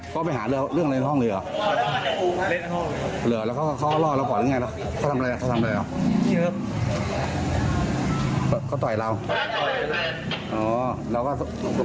เขาไปหาเรื่องอะไรในห้องเลยเหรอเหลือแล้วเขาก็ล่อเราก่อนหรือไงเขาทำอะไรเขาทำอะไรเหรอ